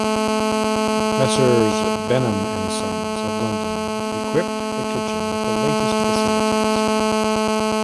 Messrs Benham and Sons of London equipped the kitchen with the latest facilities.